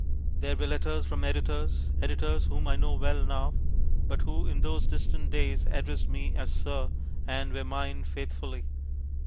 There were letters from editors; editors whom I know well now, but who in those distant days addressed me as "Sir," and were mine faithfully.